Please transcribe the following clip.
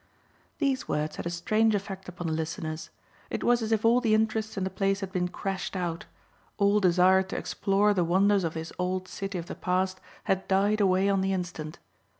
These words had a strange effect upon the listeners. It was as if all the interest in the place had been crashed out; all desire to explore the wonders of this old city of the past had died away on the instant.